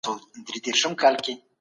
د بدو کارونو اجازه نه ورکول کېږي.